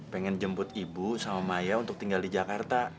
pengen jemput ibu sama maya untuk tinggal di jakarta